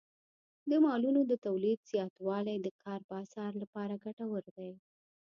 د مالونو د تولید زیاتوالی د کار بازار لپاره ګټور دی.